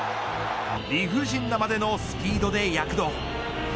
理不尽なまでのスピードで躍動。